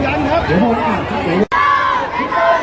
ขอบคุณมากนะคะแล้วก็แถวนี้ยังมีชาติของ